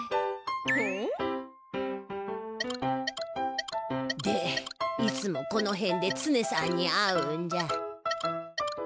ほお？でいつもこのへんでツネさんに会うんじゃ。